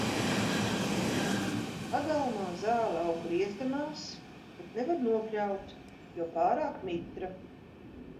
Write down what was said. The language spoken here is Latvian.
Pagalmā zāle aug griezdamās, bet nevar nopļaut, jo pārāk mitra.